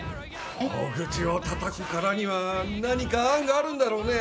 大口をたたくからには何か案があるんだろうね？